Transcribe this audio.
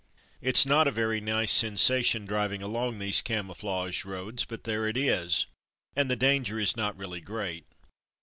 It's not a very nice sensation driving along these camouflaged roads, but there it is, and the danger is not really great.